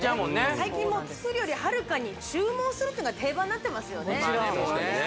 最近もう作るよりはるかに注文するのが定番になってますね